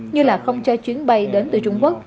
như là không cho chuyến bay đến từ trung quốc